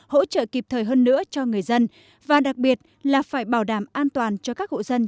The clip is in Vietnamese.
hỗ trợ kịp thời hơn nữa cho người dân và đặc biệt là phải bảo đảm an toàn cho các hộ dân